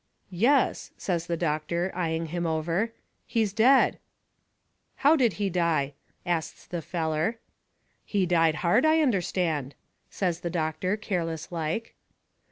"Yes," says the doctor, eying him over, "he's dead." "How did he die?" asts the feller. "He died hard, I understand," says the doctor, careless like.